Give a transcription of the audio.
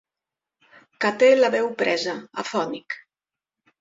Que té la veu presa, afònic.